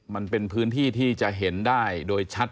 มันเป็นพื้นที่ที่จะเห็นได้โดยชัด